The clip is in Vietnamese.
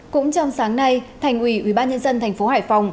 cũng trong sáng nay thành ủy ubnd tp hải phòng